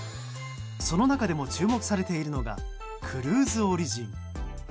その中でも注目されているのがクルーズ・オリジン。